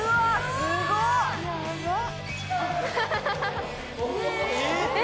すごい！え！